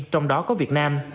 trong đó có việt nam